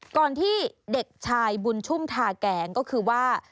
ก่อนที่เด็กชายบุญชุ่มทาแกงก็คือว่า